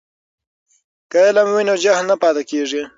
که علم وي نو جهل نه پاتې کیږي.